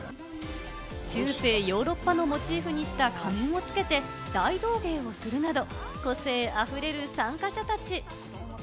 中世ヨーロッパをモチーフにした仮面をつけて大道芸をするなど、個性あふれる参加者たち。